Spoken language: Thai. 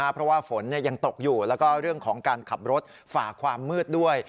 เพราะว่าฝนยังตกอยู่แล้วก็เรื่องของการขับรถฝ่าความมืดด้วย